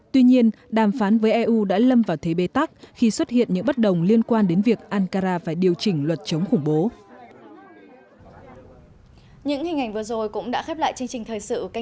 tuy nhiên đàm phán với eu đã lâm vào thế bế tắc khi xuất hiện những bất đồng liên quan đến việc ankara phải điều chỉnh luật chống khủng bố